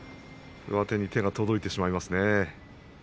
上手に手が届いてしまいますね。